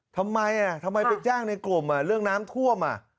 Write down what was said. ทำไมอ่ะทำไมไปแจ้งในกลมอ่ะเรื่องน้ำท่วมอ่ะ